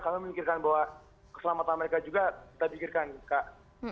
kami memikirkan bahwa keselamatan mereka juga kita pikirkan kak